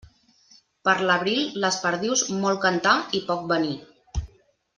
Per l'abril les perdius molt cantar i poc venir.